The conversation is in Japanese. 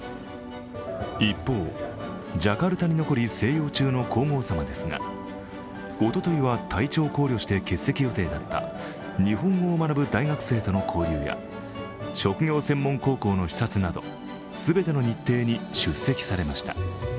一方、ジャカルタに残り静養中の皇后さまですがおとといは体調を考慮して欠席予定だった日本語を学ぶ大学生との交流や職業専門高校の視察など全ての日程に出席されました。